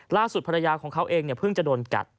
ล่าสุดภรรยาของเขาเองพึ่งจะโดนกัด